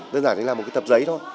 đấy đơn giản là một cái tập giấy thôi